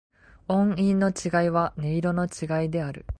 音韻の違いは、音色の違いである。